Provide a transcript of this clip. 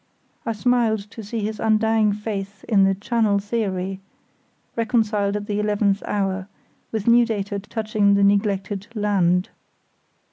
I smiled to see his undying faith in the "channel theory" reconciled at the eleventh hour, with new data touching the neglected "land".